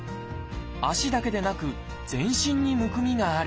足だけでなく全身にむくみがある。